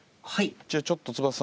じゃあちょっとつばささん